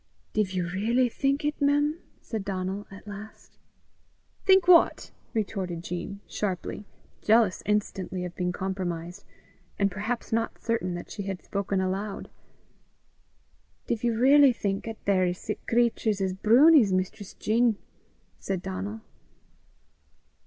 "Div ye railly think it, mem?" said Donal at last. "Think what?" retorted Jean, sharply, jealous instantly of being compromised, and perhaps not certain that she had spoken aloud. "Div ye railly think 'at there is sic craturs as broonies, Mistress Jean?" said Donal.